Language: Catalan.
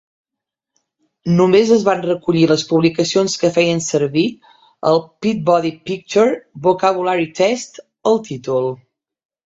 Només es van recollir les publicacions que feien servir el Peabody Picture Vocabulary Test al títol.